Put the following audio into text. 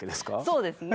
そうですね。